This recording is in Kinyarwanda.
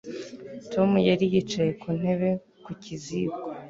Tom yari yicaye ku ntebe ku ziko